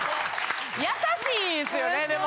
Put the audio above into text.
優しいんすよねでも。